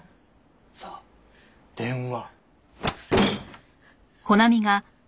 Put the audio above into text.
さあ電話。